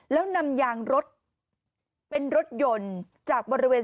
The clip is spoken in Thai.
แล้วนำยางรถเป็นรถยนต์จากบริเวณ